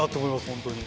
本当に。